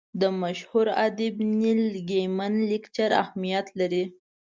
د مشهور ادیب نیل ګیمن لیکچر اهمیت لري.